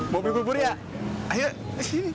mau beli bubur ya ayo di sini